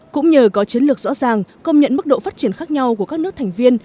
cũng nhờ có chiến lược rõ ràng công nhận mức độ phát triển khác nhau của các nước thành viên